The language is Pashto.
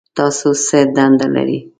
تاسو څه دنده لرئ؟